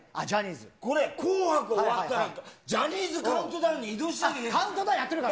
これ、紅白終わったら、ジャニーズカウントダウンに移動しなきゃいけないから。